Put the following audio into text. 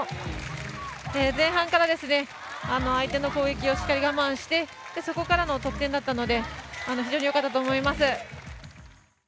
前半から相手の攻撃をしっかり我慢してそこからの得点だったので非常によかったと思います。